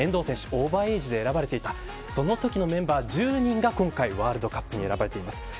オーバーエイジで選ばれていたそのときのメンバー１０人が今回のワールドカップに選ばれています。